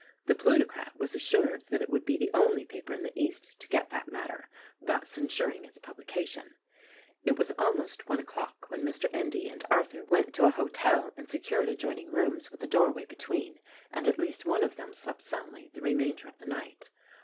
The "Plutocrat" was assured that it would be the only paper in the East to get that matter — thus insuring its publication. It was almost one o'clock when Mr. Endy and Arthur went to a hotel and secured adjoining rooms with a doorway between; and at 86 THE RECORDING ANGEL least one of them slept soundly the remainder of the night.